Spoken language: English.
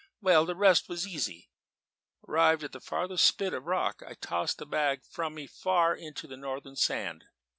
"Well, the rest was easy. Arrived at the furthest spit of rock, I tossed the bag from me far into the northern sand.